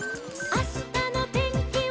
「あしたのてんきは」